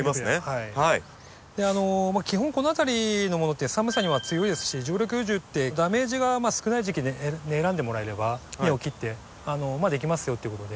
基本この辺りのものって寒さには強いですし常緑樹ってダメージが少ない時期選んでもらえれば根を切ってできますよっていうことで。